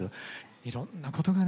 いろんなことがね